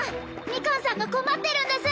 ミカンさんが困ってるんです